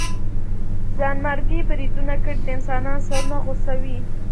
ځانمرګي بريدونه کړئ د انسانانو سرونه غوڅوئ.